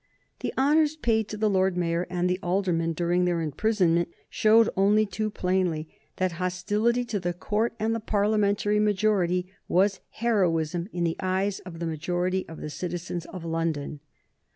The honors paid to the Lord Mayor and the alderman during their imprisonment showed only too plainly that hostility to the Court and the Parliamentary majority was heroism in the eyes of the majority of the citizens of London.